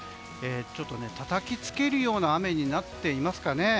たたきつけるような雨になっていますかね。